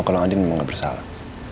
kalau adin memang gak bersalah